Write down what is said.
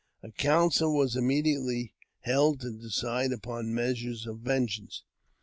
A council was immediately held to decide upon measures of vengeance.